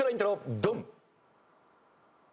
ドン！